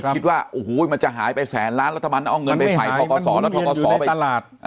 อย่าไปคิดว่าโอ้โหมันจะหายไปแสนล้านแล้วถ้ามันเอาเงินไปใส่ทะกะสอและทะกะสอ